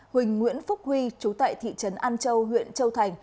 huỳnh nguyễn phúc huy chú tại thị trấn an châu huyện châu thành